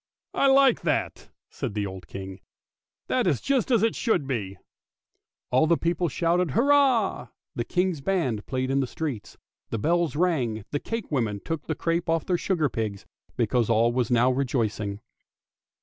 " I like that," said the old King; " that is just as it should be." All the people shouted hurrah, the guard's band played in the streets, the bells rang, and the cakewomen took the crape off the sugar pigs, because all was now rejoicing.